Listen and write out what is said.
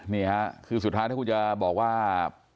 นี่ครับคือสุทรภาพที่กูจะบอกว่า